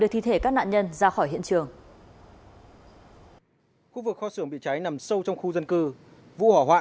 thì lúc đấy con sẽ có cái cách